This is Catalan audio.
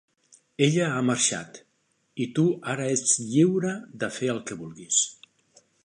Ella ha marxat, i tu ara ets lliure de fer el que vulguis.